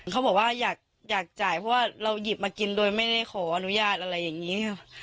เขาบอกว่าอยากจ่ายเพราะว่าเราหยิบมากินโดยไม่ได้ขออนุญาตอะไรอย่างนี้ค่ะ